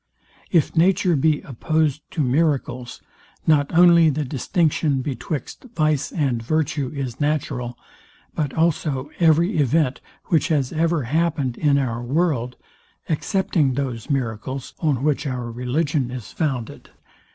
If nature be opposed to miracles, not only the distinction betwixt vice and virtue is natural, but also every event, which has ever happened in the world, EXCEPTING THOSE MIRACLES, ON WHICH OUR RELIGION IS FOUNDED.